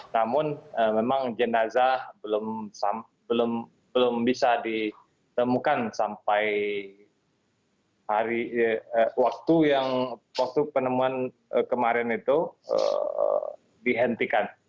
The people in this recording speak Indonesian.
namun memang jenazah belum bisa ditemukan sampai hari waktu yang waktu penemuan kemarin itu dihentikan